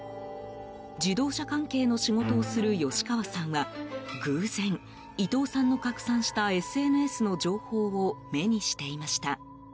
自動車関係の仕事をする吉川さんは偶然、伊藤さんの拡散したＳＮＳの情報を目にしていました。